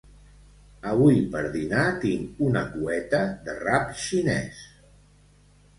Avui per dinar tinc una cueta de rap xinès